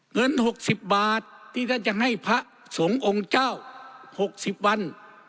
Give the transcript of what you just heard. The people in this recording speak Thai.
เงินหกสิบบาทที่ท่านจะให้พระสงค์องเจ้าหกสิบวัน